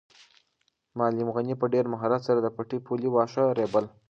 معلم غني په ډېر مهارت سره د پټي د پولې واښه رېبل.